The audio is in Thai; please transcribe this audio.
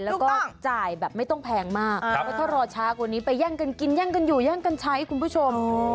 แล้วก็จ่ายแบบไม่ต้องแพงมากเพราะถ้ารอช้ากว่านี้ไปแย่งกันกินแย่งกันอยู่แย่งกันใช้คุณผู้ชม